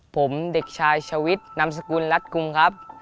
ผมเด็กชายชวิตนามสกุลรัฐกรุงครับ